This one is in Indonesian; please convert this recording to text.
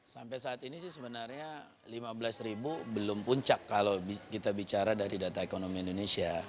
sampai saat ini sih sebenarnya lima belas ribu belum puncak kalau kita bicara dari data ekonomi indonesia